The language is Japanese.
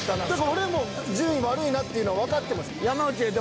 俺も順位悪いなっていうのはわかってます。